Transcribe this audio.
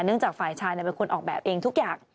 จากฝ่ายชายเป็นคนออกแบบเองทุกอย่าง